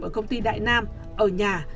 ở công ty đại nam ở nhà